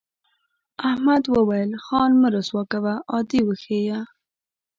احمد وویل خان مه رسوا کوه عادي وښیه.